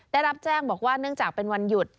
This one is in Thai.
ได้รับแจ้งบอกว่าเนื่องจากเป็นวันหยุด